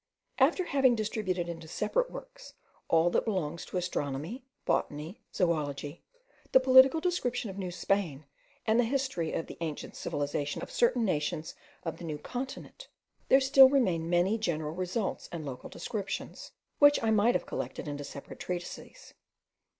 After having distributed into separate works all that belongs to astronomy, botany, zoology, the political description of New Spain, and the history of the ancient civilization of certain nations of the New Continent, there still remained many general results and local descriptions, which I might have collected into separate treatises.